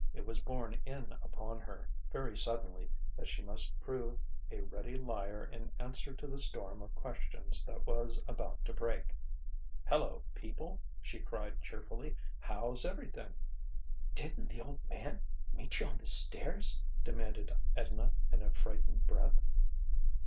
It was borne in upon her, very suddenly, that she must prove a ready liar in answer to the storm of questions that was about to break. "Hello, people!" she cried cheerfully. "How's everything?" "Didn't the Old Man meet you on the stairs?" demanded Edna in a frightened breath.